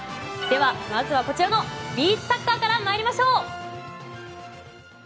では、まずはこちらのビーチサッカーから参りましょう。